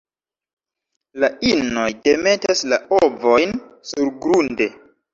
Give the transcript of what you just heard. La inoj demetas la ovojn surgrunde.